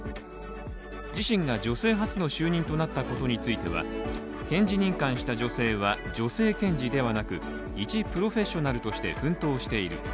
自身が女性初の就任となったことについては検事任官した女性は女性検事ではなくいちプロフェッショナルとして奮闘している。